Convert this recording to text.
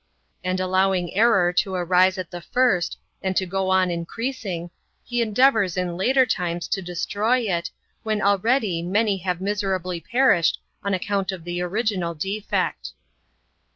And allowing error to arise at the first, and to go on increasing, He endeavours in later times to destroy it, when already many have miserably perished on account of the [original] defect.